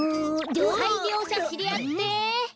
はいりょうしゃしりあって！